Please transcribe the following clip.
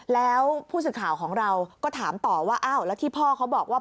แล้วผู้สื่อข่าวของเราก็ถามต่อว่าอ้าวแล้วที่พ่อเขาบอกว่า